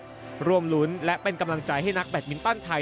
ร่วมรุ้นและเป็นกำลังใจให้นักแบตมินตันไทย